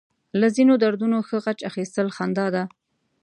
له ځينو دردونو ښه غچ اخيستل خندا ده.